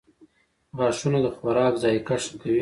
• غاښونه د خوراک ذایقه ښه کوي.